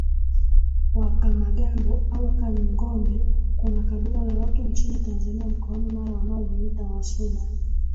wa Kamagambo au Kanyingombe Kuna kabila la watu nchini Tanzania mkoani Mara wanaojiita Wasuba